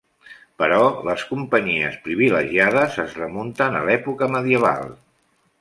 Però les companyies privilegiades es remunten a l'època medieval.